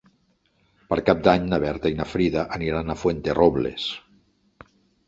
Per Cap d'Any na Berta i na Frida aniran a Fuenterrobles.